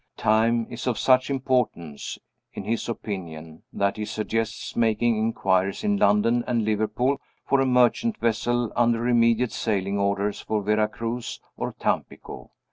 Time is of such importance, in his opinion, that he suggests making inquiries in London and Liverpool for a merchant vessel under immediate sailing orders for Vera Cruz or Tampico.